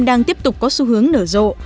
đang tiếp tục có xu hướng nở rộ